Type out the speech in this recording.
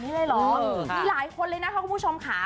มีหลายคนนั้นของคุณผู้ชมค่ะ